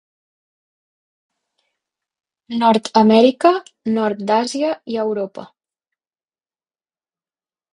Nord-amèrica, nord d'Àsia i Europa.